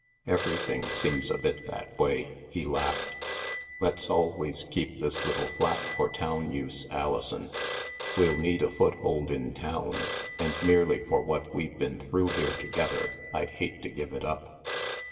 Everything seems a bit that way," he laughed. Let's always keep this little flat for town use, Alison. We'll need a foothold in town and, merely for what we've been through here together, I'd hate to give it up."